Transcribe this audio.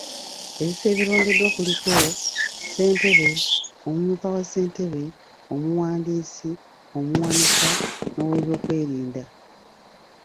Ebifo ebirondeddwa kuliko; Ssentebe, Omumyuka wa ssentebe, Omuwandiisi, Omuwanika, n'Oweebyokwerinda.